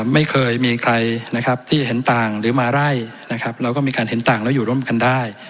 ไม่เคยมีใครที่เห็นต่างหรือมาไร่เราก็มีการเห็นต่างและอยู่ร่วมกันได้